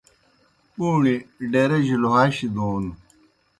پُوݨیْ ڈیرِجیْ لُھاشیْ دون